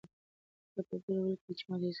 هغه په بېړه ولیکل چې ماته هېڅکله په تمه مه کېږئ.